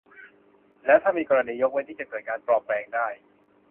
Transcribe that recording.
แล้วถ้ามีกรณียกเว้นที่จะเกิดการปลอมแปลงได้